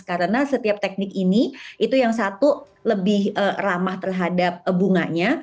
karena setiap teknik ini itu yang satu lebih ramah terhadap bunganya